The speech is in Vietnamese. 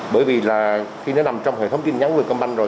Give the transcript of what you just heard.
bởi vì là khi nó nằm trong hệ thống tin nhắn vietcombank rồi